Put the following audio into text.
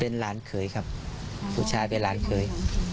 เป็นหลานเขยครับผู้ชายเป็นหลานเขย